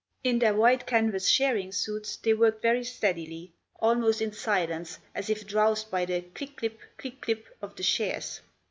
In their white canvas shearing suits they worked very steadily, almost in silence, as if drowsed by the "click clip, click clip" of the shears.